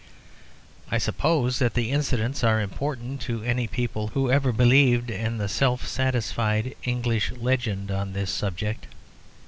I suppose that the incidents are important to any people who ever believed in the self satisfied English legend on this subject.